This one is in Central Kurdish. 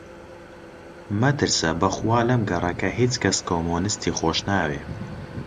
مەترسە! بە خوا لەم گەڕەکە هیچ کەس کۆمۆنیستی خۆش ناوێ